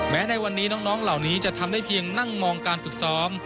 ในวันนี้น้องเหล่านี้จะทำได้เพียงนั่งมองการฝึกซ้อม